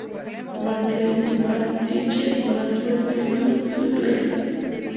Mathematische-naturwissenschaftliche Klasse".